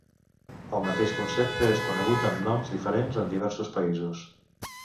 El mateix concepte és conegut amb noms diferents en diversos països.